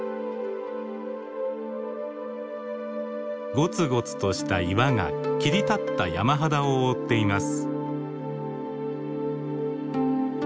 ゴツゴツとした岩が切り立った山肌を覆っています。